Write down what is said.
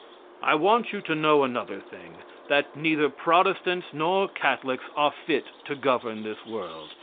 I want you to know another thing; that neither Protestants nor Catholics are fit to govern this world.